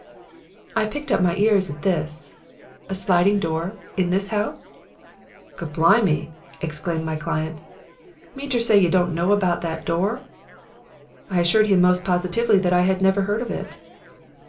"I pricked up my ears at this. 'A sliding door? In this house?' "'Gawblimy!' exclaimed my client. 'Meantersay you don't know about that door?' "I assured him most positively that I had never heard of it.